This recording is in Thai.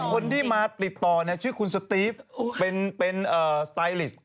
ก็คือไฟแล้วหลอกลด